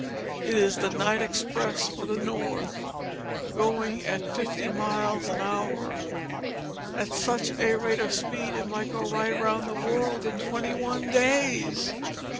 It is the night express for the North going at fifty miles an hour. At such a rate of speed it might go right round the world in twenty one days!